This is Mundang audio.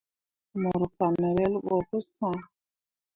Ŋmorŋ fan relbo pu sãã.